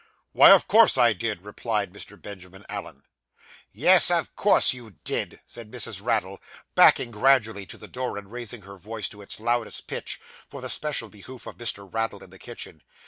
'Why, of course I did,' replied Mr. Benjamin Allen. 'Yes, of course you did,' said Mrs. Raddle, backing gradually to the door, and raising her voice to its loudest pitch, for the special behoof of Mr. Raddle in the kitchen.